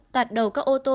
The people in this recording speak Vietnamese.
tạt đầu các ô tô